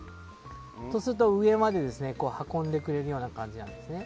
上まで運んでくれるような感じなんですね。